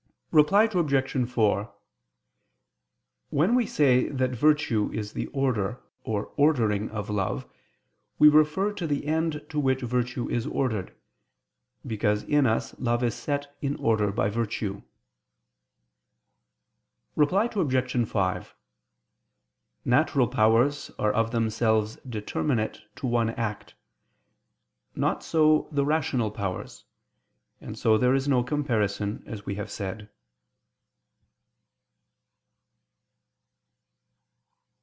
Reply Obj. 4: When we say that virtue is the order or ordering of love, we refer to the end to which virtue is ordered: because in us love is set in order by virtue. Reply Obj. 5: Natural powers are of themselves determinate to one act: not so the rational powers. And so there is no comparison, as we have said.